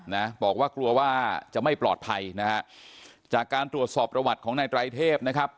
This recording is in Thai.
นะบอกว่ากลัวว่าจะไม่ปลอดภัยนะฮะจากการตรวจสอบประวัติของนายไตรเทพนะครับ